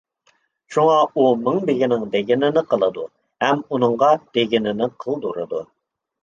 شۇڭا ئۇ مىڭبېگىنىڭ دېگىنىنى قىلىدۇ ھەم ئۇنىڭغا دېگىنىنى قىلدۇرىدۇ.